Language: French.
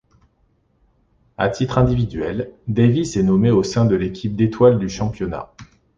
À titre individuel, Davis est nommé au sein de l'équipe d'étoiles du championnat.